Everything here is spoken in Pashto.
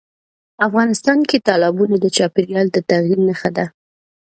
افغانستان کې تالابونه د چاپېریال د تغیر نښه ده.